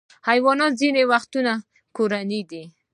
حیوانات ځینې وختونه کورني دي.